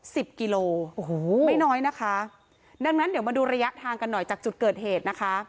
สิบกิโลโอ้โหไม่น้อยนะคะดังนั้นเดี๋ยวมาดูระยะทางกันหน่อยจากจุดเกิดเหตุนะคะ